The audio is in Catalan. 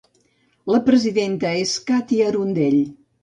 La presidenta és Kathie Arundell.